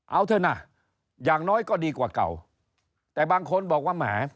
เอาเถอะนะอย่างน้อยก็ดีกว่าเก่าแต่บางคนบอกว่าแหม